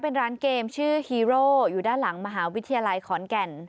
เป็นร้านเกมชื่อฮีโร่อยู่ด้านหลังมหาวิทยาลัยขอนแก่น